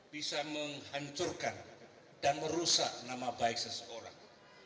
bisa menghancurkan dan merusak nama baik seseorang